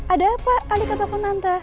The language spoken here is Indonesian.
ada apa alika takut tante